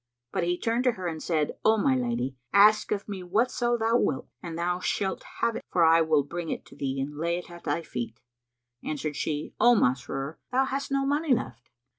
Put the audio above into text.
But he turned to her and said, "O my lady, ask of me whatso thou wilt and thou shalt have it; for I will bring it to thee and lay it at thy feet." Answered she, "O Masrur, thou hast no money left."